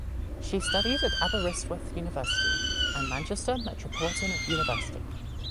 She studied at Aberystwyth University and Manchester Metropolitan University.